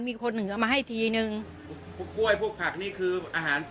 มีคนหนึ่งเอามาให้ทีนึงพวกกล้วยพวกผักนี่คืออาหาร